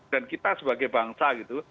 dan kita sebagai bangsa gitu